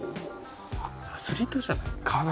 アスリートじゃないの？かな？